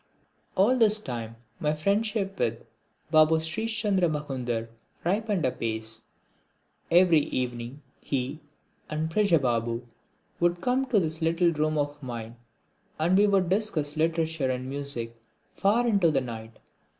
All this time my friendship with Babu Srish Chandra Magundar ripened apace. Every evening he and Prija Babu would come to this little room of mine and we would discuss literature and music far into the night.